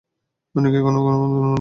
আপনি কি এখনও আমাদের মনিব?